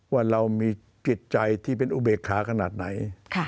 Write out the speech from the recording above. ว่าเรามีจิตใจที่เป็นอุเบกขาขนาดไหน